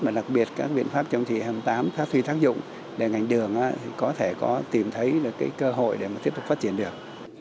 và đặc biệt các biện pháp trong thị hầm tám phát huy thác dụng để ngành đường có thể có tìm thấy cơ hội để tiếp tục phát triển được